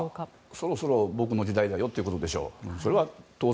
そろそろ僕の時代だよということでしょう。